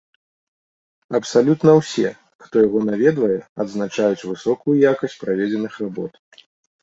Абсалютна ўсе, хто яго наведвае, адзначаюць высокую якасць праведзеных работ.